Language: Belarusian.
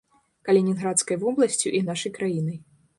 Калінінградскай вобласцю і нашай краінай.